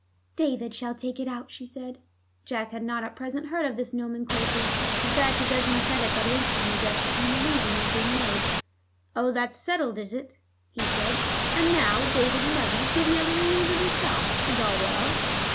"David shall take it out," she said. Jack had not at present heard of this nomenclature. In fact, it does him credit that he instantly guessed to whom allusion was being made. "Oh, that's settled, is it?" he said. "And now, David's mother, give me a little news of yourself. Is all well?"